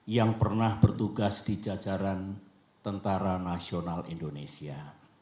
yang pernah bertugas di jajaran tentara nasional indonesia